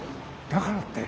だからって。